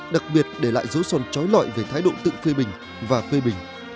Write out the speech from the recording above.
đặc biệt để lại dấu son trói lọi về thái độ tự phê bình và phê bình